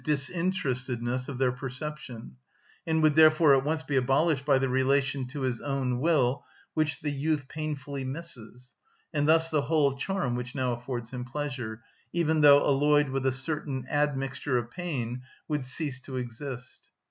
_, disinterestedness of their perception, and would therefore at once be abolished by the relation to his own will which the youth painfully misses, and thus the whole charm which now affords him pleasure, even though alloyed with a certain admixture of pain, would cease to exist.